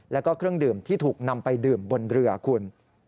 แล้วก็เครื่องดื่มที่ถูกนำไปดื่มบนเรือคุณ